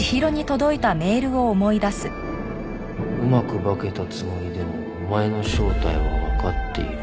「うまくバケたつもりでもお前の正体は判っている」